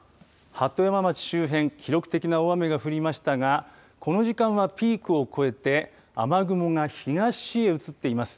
鳩山町周辺記録的な大雨が降りましたがこの時間はピークを超えて雨雲が東へ移っています。